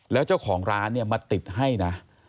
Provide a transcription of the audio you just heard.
แล้วเจ้าของร้านเนี่ยมาติดให้นะ